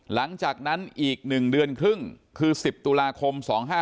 หลังจากนั้นอีก๑เดือนครึ่งคือ๑๐ตุลาคม๒๕๕๙